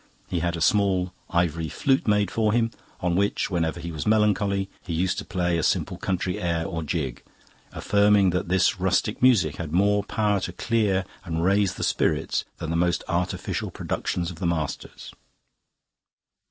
He had a small ivory flute made for him, on which, whenever he was melancholy, he used to play a simple country air or jig, affirming that this rustic music had more power to clear and raise the spirits than the most artificial productions of the masters.